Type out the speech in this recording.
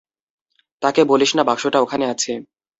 তাকে বলিস না বাক্সটা ওখানে আছে।